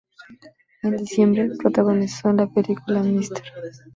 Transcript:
En diciembre, protagonizó en la película "Mr.